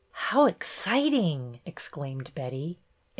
" I low exciting !" exclaimed Betty.